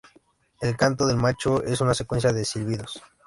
El canto del macho es una secuencia de silbidos.